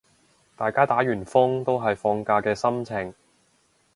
大家打完風都係放假嘅心情